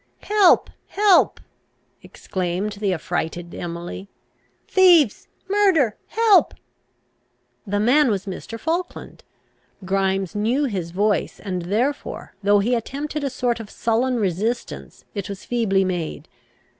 "Help, help!" exclaimed the affrighted Emily; "thieves! murder! help!" The man was Mr. Falkland. Grimes knew his voice; and therefore, though he attempted a sort of sullen resistance, it was feebly made.